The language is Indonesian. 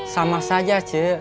sama saja cie